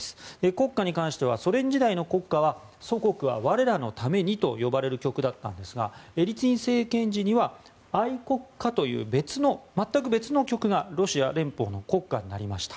国歌に関してはソ連時代の国歌は「祖国は我らのために」と呼ばれる曲だったんですがエリツィン政権時には「愛国歌」という全く別の曲がロシア連邦の国歌になりました。